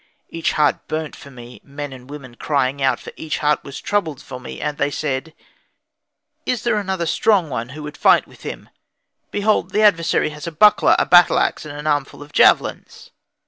Each heart burnt for me, men and women crying out; for each heart was troubled for me, and they said, "Is there another strong one who would fight with him? Behold the adversary has a buckler, a battle axe, and an armful of javelins."